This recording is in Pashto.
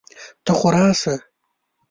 ته خو راسه!